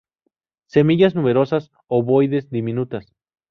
Semillas numerosas, ovoides, diminutas.